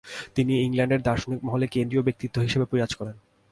তিনি ইংল্যান্ডের দার্শনিক মহলে কেন্দ্রীয় ব্যক্তিত্ব হিসেবে বিরাজ করেন।